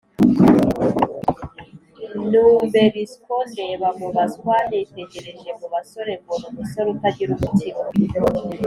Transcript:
numbersko ndeba mu baswa, nitegereje mu basore, mbona umusore utagira umutima,